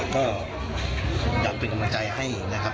ก็อยากเป็นกำลังใจให้นะครับ